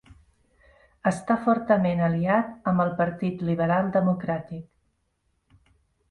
Està formalment aliat amb el Partit Lliberal Democràtic.